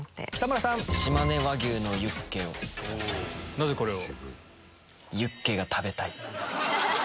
なぜこれを？